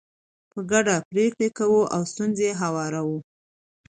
په ګډه پرېکړې کوو او ستونزې هواروو.